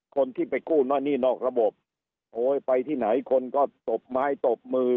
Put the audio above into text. คนที่ไปกู้นอกหนี้นอกระบบโอ้ยไปที่ไหนคนก็ตบไม้ตบมือ